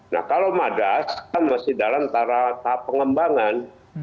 nah kalau madas kan masih dalam tahap pengembangan